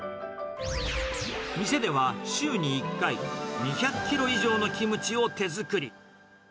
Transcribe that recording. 店では週に１回、２００キロ以上のキムチを手作り。